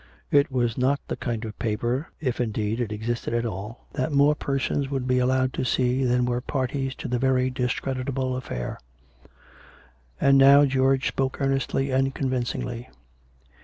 It was not the kind of paper — if, in deed, it existed at all — that more persons would be allowed to see than were parties to the very discreditable affair. And now George spoke earnestly and convincingly.